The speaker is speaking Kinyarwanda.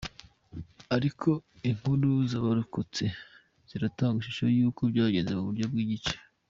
Ariko inkuru z’abarokotse ziratanga ishusho y’uko byagenze mu buryo bw’igice.